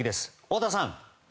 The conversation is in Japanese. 太田さん。